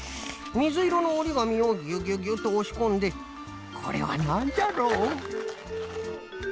みずいろのおりがみをギュギュギュッとおしこんでこれはなんじゃろう？